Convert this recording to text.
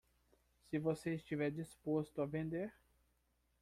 Se você estiver disposto a vender